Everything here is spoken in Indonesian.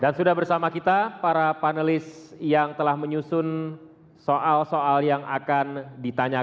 sudah bersama kita para panelis yang telah menyusun soal soal yang akan ditanyakan